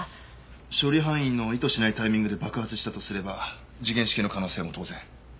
処理班員の意図しないタイミングで爆発したとすれば時限式の可能性も当然。